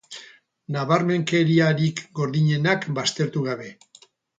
Nabarmenkeriarik gordinenak baztertu gabe.